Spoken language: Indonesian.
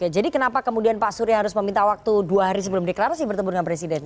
jadi kenapa pak surya harus meminta waktu dua hari sebelum deklarasi bertemu dengan presiden